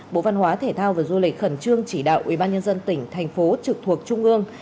bộ văn hóa thể thao và du lịch khẩn trương chỉ đạo ubnd tỉnh thành phố trực thuộc trung ương